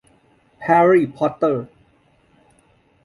แฮร์รี่ พอตเตอร์